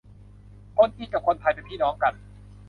คนจีนกับคนไทยเป็นพี่น้องกัน